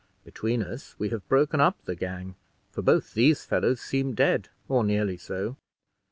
Between us we have broken up the gang; for both these fellows seem dead, or nearly so."